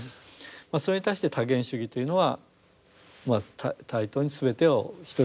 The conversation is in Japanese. それに対して多元主義というのは対等にすべてを等しく認めていくと。